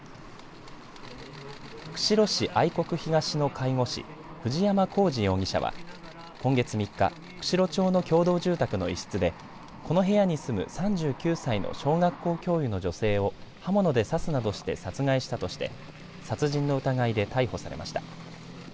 釧路市愛国東の介護士藤山功至容疑者は今月３日釧路町の共同住宅の一室でこの部屋に住む３９歳の小学校教諭の女性を刃物で刺すなどして殺害したとして殺人の疑いで逮捕されました。